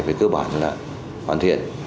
với cơ bản là hoàn thiện